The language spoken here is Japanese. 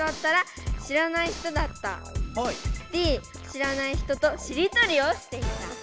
Ｄ知らない人としりとりをしていた。